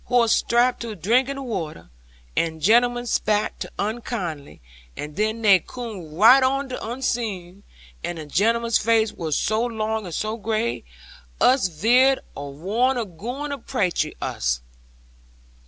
Horse stapped to drink in the watter, and gentleman spak to 'un kindly, and then they coom raight on to ussen, and the gentleman's face wor so long and so grave, us veared 'a wor gooin' to prache to us.